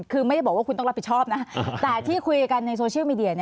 คือไม่ได้บอกว่าคุณต้องรับผิดชอบนะแต่ที่คุยกันในโซเชียลมีเดีย